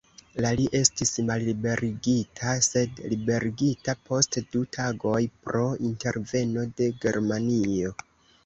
La li estis malliberigita, sed liberigita post du tagoj pro interveno de Germanio.